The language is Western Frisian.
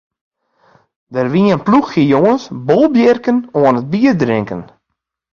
Der wie in ploechje jonges bolbjirken oan it bierdrinken.